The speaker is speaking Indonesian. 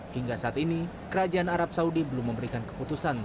hingga saat ini kerajaan arab saudi belum memberikan keputusan